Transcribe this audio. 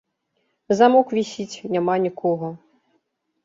Замок вісіць, няма нікога.